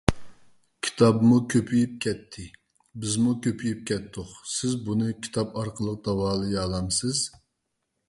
_ كىتابمۇ كۆپىيىپ كەتتى، بىزمۇ كۆپىيىپ كەتتۇق. سىز بۇنى كىتاب ئارقىلىق داۋالىيالامسىز؟